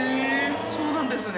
そうなんですね。